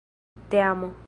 teamo